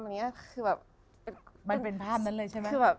มันเป็นภาพนั้นเลยไหม